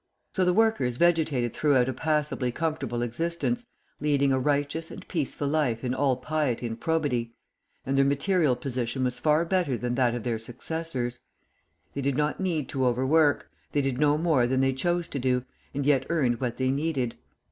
So the workers vegetated throughout a passably comfortable existence, leading a righteous and peaceful life in all piety and probity; and their material position was far better than that of their successors. They did not need to overwork; they did no more than they chose to do, and yet earned what they needed.